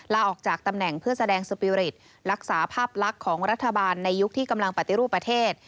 ลาออกจากตำแหน่งเพื่อแสดงสปีริตรักษาภาพลักษณ์ของรัฐบาลในยุคที่กำลังปฏิรูปประเทศ